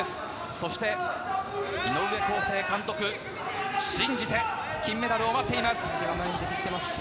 そして、井上康生監督も信じて金メダルを待っています。